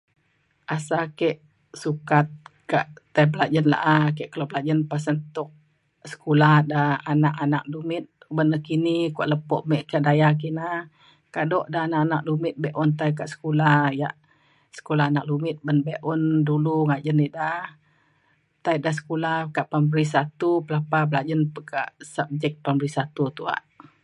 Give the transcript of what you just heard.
asal ake sukat ka tai belajen la'a ake kelo belajen pasen tuk sekula da anak anak lumit ban nekini kuo lepo me kedaya kina kado da anak anak dumit be'un tai ka sekula ia' sekula anak lumit ban be'un dulu ngajen ida tai da skula ka primary satu pelapa belajen pa ka subjek primary satu tuwak